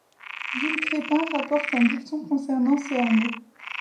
Jules Crépin rapporte un dicton concernant ce hameau.